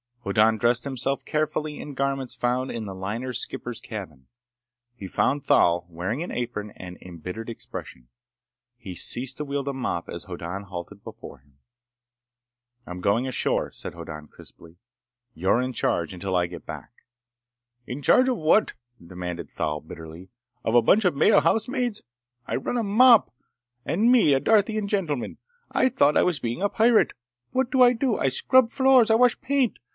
Hoddan dressed himself carefully in garments found in the liner's skipper's cabin. He found Thal wearing an apron and an embittered expression. He ceased to wield a mop as Hoddan halted before him. "I'm going ashore," said Hoddan crisply. "You're in charge until I get back." "In charge of what?" demanded Thal bitterly. "Of a bunch of male housemaids! I run a mop! And me a Darthian gentleman! I thought I was being a pirate! What do I do? I scrub floors! I wash paint!